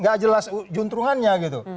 gak jelas juntruannya gitu